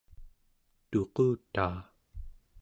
tuqutaa